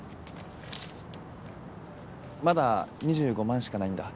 まだ２５万しかないんだ。